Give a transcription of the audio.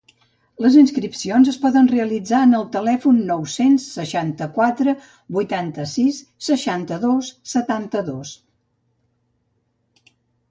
Les inscripcions es poden realitzar en el telèfon nou-cents seixanta-quatre vuitanta-sis seixanta-dos setanta-dos.